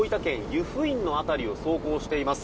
湯布院の辺りを走行しています。